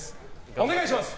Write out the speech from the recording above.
お願いします。